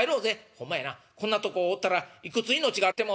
「ホンマやなこんなとこおったらいくつ命があっても足らんからな。